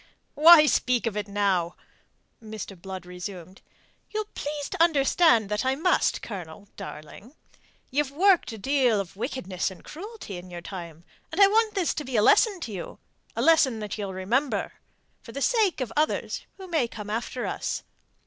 "Why speak of it now?" Mr. Blood resumed: "ye'll please to understand that I must, Colonel, darling. Ye've worked a deal of wickedness and cruelty in your time, and I want this to be a lesson to you, a lesson that ye'll remember for the sake of others who may come after us.